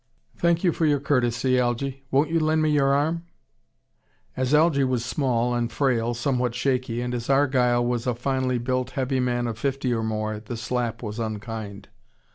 "Thank you for your courtesy, Algy. Won't you lend me your arm?" As Algy was small and frail, somewhat shaky, and as Argyle was a finely built, heavy man of fifty or more, the slap was unkind.